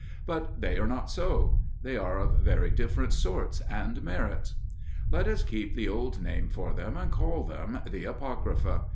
But they are not so; they are of very different sorts and merits. Let us keep the old name for them and call them "the Apocrypha."